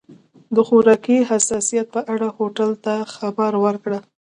د خوراکي حساسیت په اړه هوټل ته خبر ورکړه.